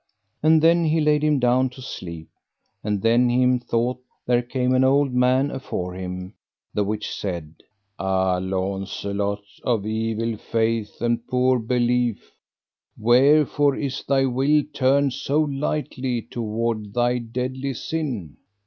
And then he laid him down to sleep. And then him thought there came an old man afore him, the which said: Ah, Launcelot of evil faith and poor belief, wherefore is thy will turned so lightly toward thy deadly sin?